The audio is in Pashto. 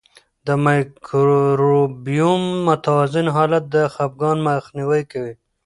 د مایکروبیوم متوازن حالت د خپګان مخنیوی کوي.